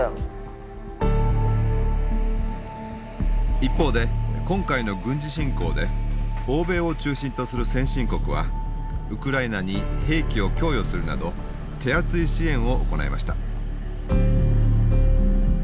一方で今回の軍事侵攻で欧米を中心とする先進国はウクライナに兵器を供与するなど手厚い支援を行いました。